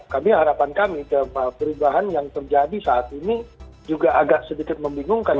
kami harapan kami perubahan yang terjadi saat ini juga agak sedikit membingungkan